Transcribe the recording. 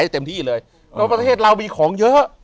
อยู่ที่แม่ศรีวิรัยิลครับ